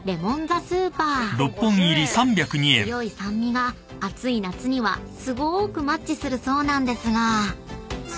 ［強い酸味が暑い夏にはすごーくマッチするそうなんですが］